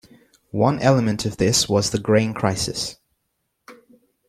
One element of this was the grain crisis.